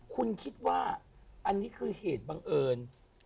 คุณคิดว่าอันนี้คือเหตุบังเอิญ